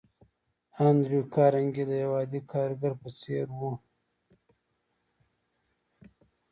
انډريو کارنګي د يوه عادي کارګر په څېر و.